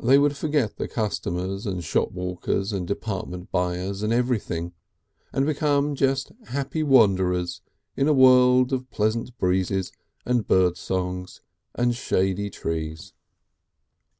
They would forget the customers and shopwalkers and department buyers and everything, and become just happy wanderers in a world of pleasant breezes and song birds and shady trees.